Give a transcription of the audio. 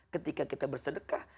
ketika kita bersedekah